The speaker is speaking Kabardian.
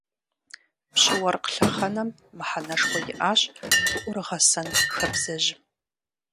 Пщы-уэркъ лъэхъэнэм мыхьэнэшхуэ иӏащ пӏургъэсэн хабзэжьым.